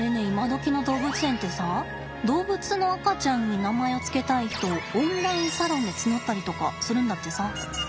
今どきの動物園ってさ動物の赤ちゃんに名前を付けたい人をオンラインサロンで募ったりとかするんだってさ。